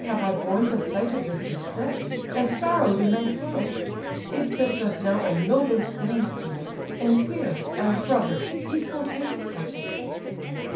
have I borne the sight Of this distress, and sorrow'd in thy flight: It fits us now a noble stand to make, And here, as brothers, equal fates partake."